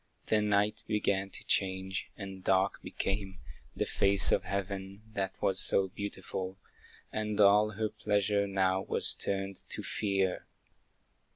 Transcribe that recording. The night began to change, and dark became The face of heaven, that was so beautiful, And all her pleasure now was turned to fear.